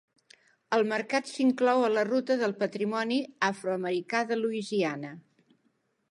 El mercat s'inclou a la ruta del patrimoni afroamericà de Louisiana.